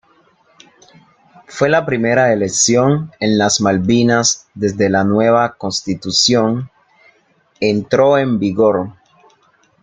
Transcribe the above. Fue la primera elección en las Malvinas desde la nueva Constitución entró en vigor.